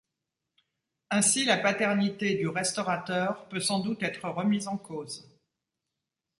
Ainsi la paternité du restaurateur peut sans doute être remise en cause.